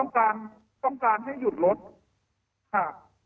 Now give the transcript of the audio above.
ค่ะต้องการให้หยุดรถค่ะ